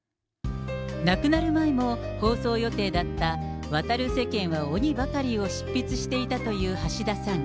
亡くなる前も、放送予定だった渡る世間は鬼ばかりを執筆していたという橋田さん。